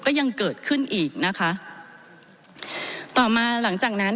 ก็ยังเกิดขึ้นอีกนะคะต่อมาหลังจากนั้น